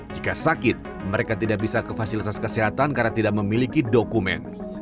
jika sakit mereka tidak bisa ke fasilitas kesehatan karena tidak memiliki dokumen